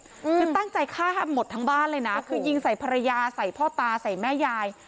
คือตั้งใจฆ่าหมดทั้งบ้านเลยนะคือยิงใส่ภรรยาใส่พ่อตาใส่แม่ยาย